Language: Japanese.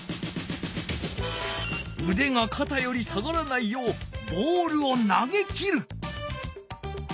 うでがかたより下がらないようボールを投げきる。